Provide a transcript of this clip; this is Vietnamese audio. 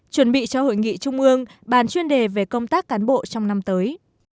chuẩn bị cho hội nghị trung ương bàn chuyên đề về công tác cán bộ trong năm tới